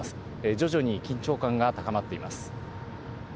徐々に緊張感が高まっています。